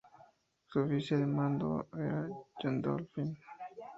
Su oficial al mando era John Dolphin.